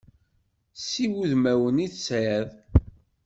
Si wudmawen i tesɛiḍ.